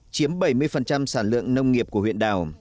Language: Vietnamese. chiếm bảy mươi sản lượng nông nghiệp của huyện đảo